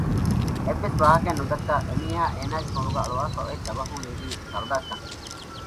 އެއްވެސް ވާހަކައެއް ނުދައްކާ އެމީހާ އޭނަގެ ކޮނޑުގައި އަޅުވާފައި އޮތް ދަބަހުން ނެގީ ކަރުދާސްގަޑެއް